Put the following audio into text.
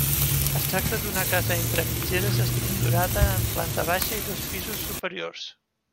Es tracta d'una casa entre mitgeres estructurada en planta baixa i dos pisos superiors.